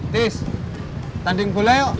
tis tanding bola yuk